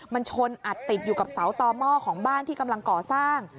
มันชนอัดติดอยู่กับเสาต่อหม้อของบ้านที่กำลังก่อสร้าง